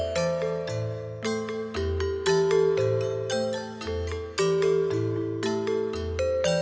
ya tapi aku mau makan